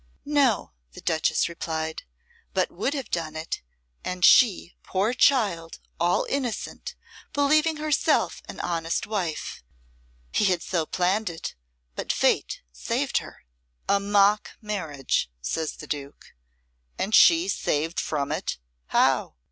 "No," the Duchess replied; "but would have done it, and she, poor child, all innocent, believing herself an honest wife. He had so planned it, but Fate saved her!" "A mock marriage," says the Duke, "and she saved from it! How?"